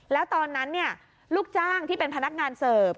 แล้วตอนนั้นลูกจ้างที่เป็นพนักงานเสิร์ฟ